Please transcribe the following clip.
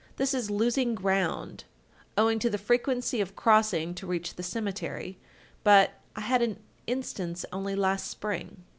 This is losing ground, owing to the frequency of crossing to reach the cemetery, but I had an instance only last spring."